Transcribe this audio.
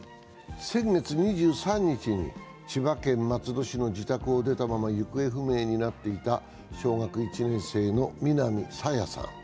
先月２３日に千葉県松戸市の自宅を出たまま行方不明になっていた小学１年生の南朝芽さん。